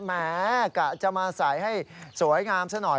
แหมกะจะมาใส่ให้สวยงามซะหน่อย